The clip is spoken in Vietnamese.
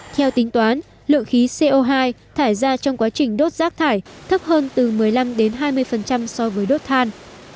theo tính toán lượng khí co hai thải ra trong quá trình đốt rác thải thấp hơn từ một mươi năm hai mươi so với đốt than